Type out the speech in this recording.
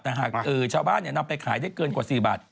แต่หากชาวบ้านนำไปขายได้เกินกว่า๔บาท